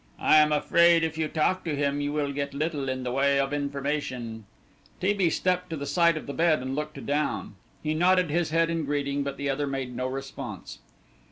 "I am afraid if you talk to him you will get little in the way of information." T. B. stepped to the side of the bed and looked down. He nodded his head in greeting, but the other made no response.